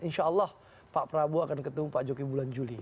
insyaallah pak prabowo akan ketemu pak jokowi bulan juli